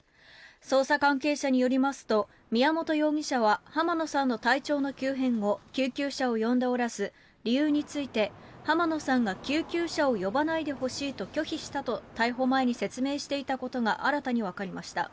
捜査関係者によりますと宮本容疑者は浜野さんの体調の急変後救急車を呼んでおらず理由について、浜野さんが救急車を呼ばないでほしいと拒否したと逮捕前に説明していたことが新たにわかりました。